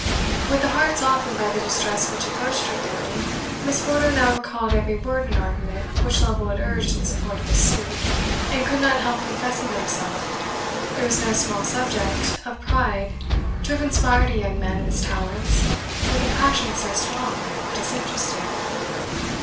With a heart softened by the distress which approached her family, Miss Wardour now recalled every word and argument which Lovel had urged in support of his suit, and could not help confessing to herself, it was no small subject of pride to have inspired a young man of his talents with a passion so strong and disinterested.